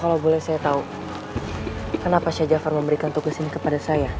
kalau boleh saya tahu kenapa sheikh jafar memberikan tugas ini kepada saya